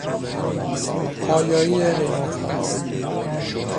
پایایی قیمتها